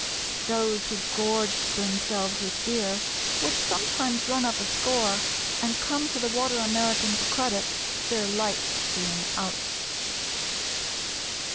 Those who gorged themselves with beer would sometimes run up a score and come to the Water American for credit, "their light being out."